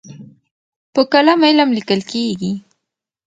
په قلم علم لیکل کېږي.